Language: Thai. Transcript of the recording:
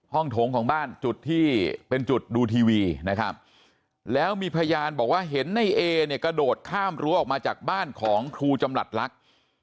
โถงของบ้านจุดที่เป็นจุดดูทีวีนะครับแล้วมีพยานบอกว่าเห็นในเอเนี่ยกระโดดข้ามรั้วออกมาจากบ้านของครูจำหลัดลักษณ์